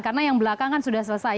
karena yang belakangan sudah selesai